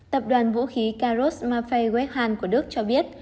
tập đoàn vũ khí karus mafei wekhan của đức cho biết